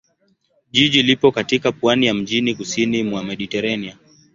Jiji lipo katika pwani ya mjini kusini mwa Mediteranea.